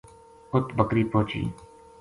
اُت بکری پوہچی